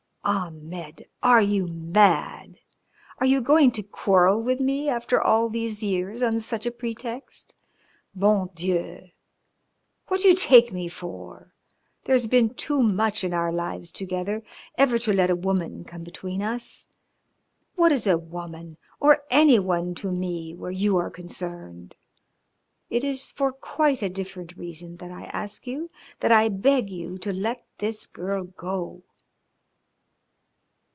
"Ahmed! Are you mad? Are you going to quarrel with me after all these years on such a pretext? Bon Dieu! What do you take me for? There has been too much in our lives together ever to let a woman come between us. What is a woman or any one to me where you are concerned? It is for quite a different reason that I ask you, that I beg you to let this girl go."